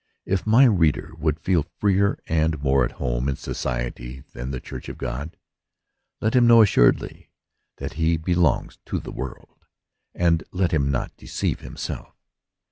If my reader would feel freer and more at home in society than the church of God, let him know assuredly that he belongs to the world, and let him not deceive himself.